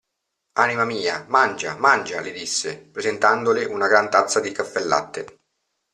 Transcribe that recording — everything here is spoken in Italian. Anima mia; mangia, mangia, – le disse, presentandole una gran tazza di caffelatte.